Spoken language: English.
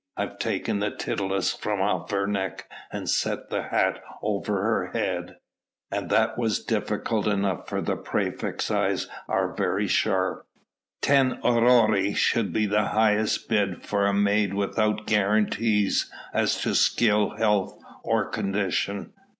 "I've taken the titulus from off her neck and set the hat over her head, and that was difficult enough for the praefect's eyes are very sharp. Ten aurei should be the highest bid for a maid without guarantees as to skill, health or condition.